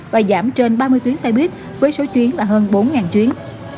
và giảm trên ba mươi tuyến xe buýt với số chuyến là hơn bốn chuyến